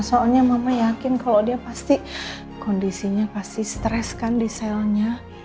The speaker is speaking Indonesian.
soalnya mama yakin kalau dia pasti kondisinya pasti stres kan di selnya